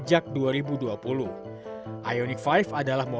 ya pakai mobil lena coba pake oftbal wifo